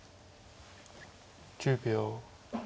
１０秒。